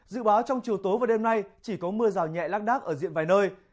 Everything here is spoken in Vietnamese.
dự báo trong chiều tối và đêm nay chỉ có mưa rào nhẹ lác đác ở diện vài nơi